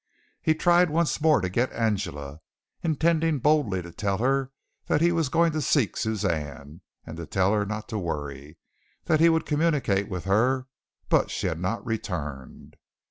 He tried once more to get Angela, intending boldly to tell her that he was going to seek Suzanne, and to tell her not to worry, that he would communicate with her, but she had not returned.